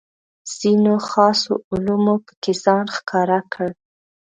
ځینو خاصو علومو پکې ځان ښکاره کړ.